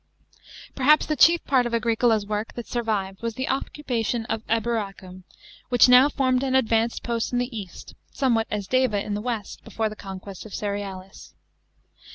Perhaps the chief part of Agricola's work that survived was the occupation of Eburacum, which now formed an advanced post in the east, somewhat as Deva in the west before the conquests of Cerealis.